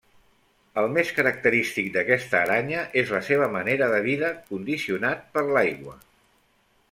El més característic d'aquesta aranya és la seva manera de vida, condicionat per l'aigua.